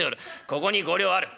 ここに五両ある。